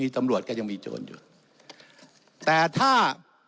แต่ถ้า